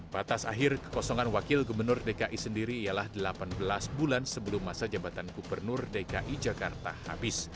batas akhir kekosongan wakil gubernur dki sendiri ialah delapan belas bulan sebelum masa jabatan gubernur dki jakarta habis